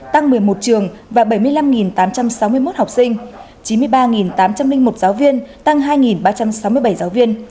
tăng một mươi một trường và bảy mươi năm tám trăm sáu mươi một học sinh chín mươi ba tám trăm linh một giáo viên tăng hai ba trăm sáu mươi bảy giáo viên